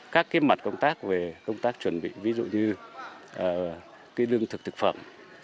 các mặt công tác công tác chuẩn bị ví dụ như đương thực thực phẩm